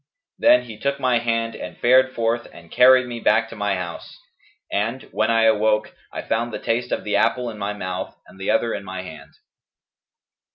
Then he took my hand and fared forth and carried me back to my house; and, when I awoke, I found the taste of the apple in my mouth and the other in my hand.'